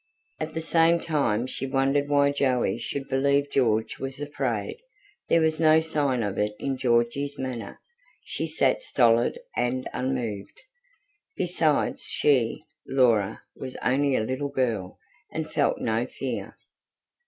At the same time she wondered why Joey should believe George was afraid; there was no sign of it in Georgy's manner; she sat stolid and unmoved. Besides she, Laura, was only a little girl, and felt no fear.